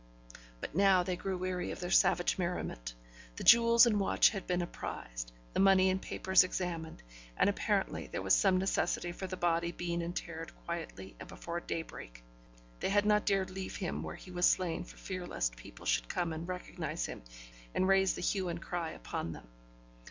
But now they grew weary of their savage merriment; the jewels and watch had been apprised, the money and papers examined; and apparently there was some necessity for the body being interred quietly and before daybreak. They had not dared to leave him where he was slain for fear lest people should come and recognise him, and raise the hue and cry upon them.